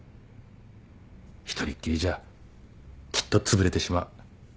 一人っきりじゃきっとつぶれてしまう。